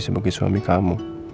sebagai suami kamu